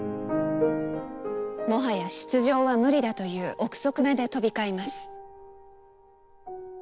もはや出場は無理だという臆測まで飛び交います。